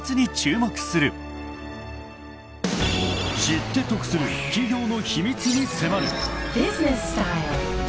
［知って得する企業の秘密に迫る］